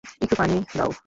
একটু পানি দাও!